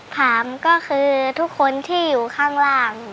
ถามก็คือทุกคนที่อยู่ข้างล่าง